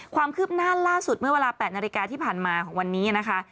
ความคืบหน้าล่าสุดเมื่อเวลา๘นาฬิกาที่ผ่านมาของวันนี้นะคะ